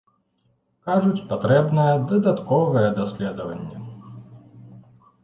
Кажуць, патрэбныя дадатковыя даследаванні.